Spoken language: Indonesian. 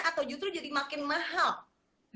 atau justru jadi makin mahal